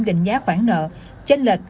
định giá khoản nợ chênh lệch